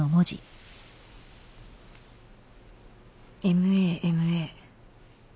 ＭＡＭＡ。